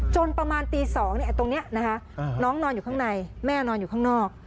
ประมาณตี๒ตรงนี้นะคะน้องนอนอยู่ข้างในแม่นอนอยู่ข้างนอก